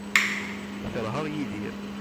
Keṛheɣ Yidir.